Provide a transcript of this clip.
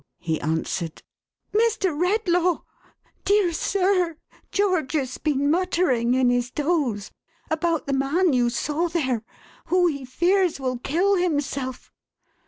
"he answered. " Mr. Redlaw ! Dear sir ! George has been muttering, in his doze, about the man you saw there, who, he fears, will kill himself."